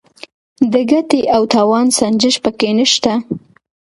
د ګټې او تاوان سنجش پکې نشته.